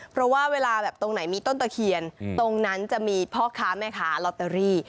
เพราะว่าเวลาแบบตรงไหนมีต้นตะเคียนตรงนั้นจะมีพ่อค้าแม่ค้าลอตเตอรี่